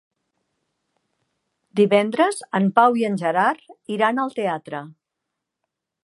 Divendres en Pau i en Gerard iran al teatre.